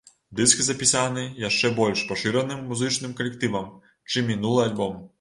Дыск запісаны яшчэ больш пашыраным музычным калектывам, чым мінулы альбом.